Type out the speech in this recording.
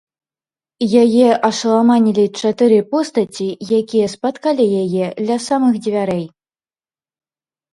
Яе ашаламанілі чатыры постаці, якія спаткалі яе ля самых дзвярэй.